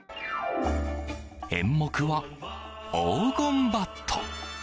演目は、「黄金バット」。